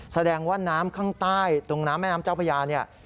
แสดงว่าน้ำข้างใต้ตรงน้ำแม่น้ำเจ้าพญาเนี่ย